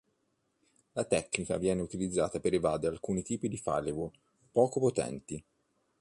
La tecnica viene utilizzata per evadere alcuni tipi di firewall poco potenti.